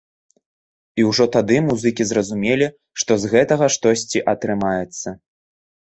І ўжо тады музыкі зразумелі, што з гэтага штосьці атрымаецца.